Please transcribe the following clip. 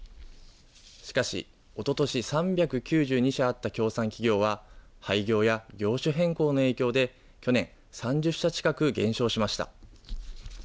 しかし、おととし３９２社あった協賛企業は廃業や業種変更の影響で去年、３０社近く減少しました。